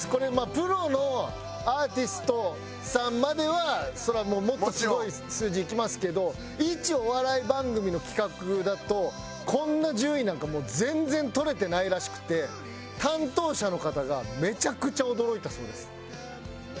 プロのアーティストさんまではそりゃもっとすごい数字いきますけどイチお笑い番組の企画だとこんな順位なんかもう全然とれてないらしくて担当者の方がめちゃくちゃ驚いたそうです。